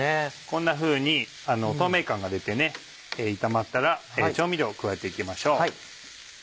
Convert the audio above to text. こんなふうに透明感が出て炒まったら調味料を加えて行きましょう。